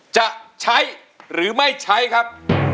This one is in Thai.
จะใช้หรือไม่ใช้ครับ